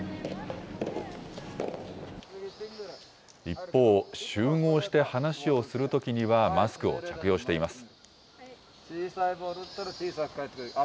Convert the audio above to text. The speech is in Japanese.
一方、集合して話をするときには、マスクを着用しています。